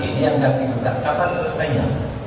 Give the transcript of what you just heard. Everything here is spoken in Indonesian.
ini yang ganti buka kapan selesainya